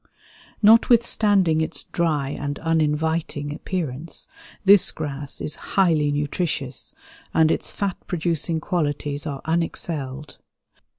Notwithstanding its dry and uninviting appearance, this grass is highly nutritious, and its fat producing qualities are unexcelled.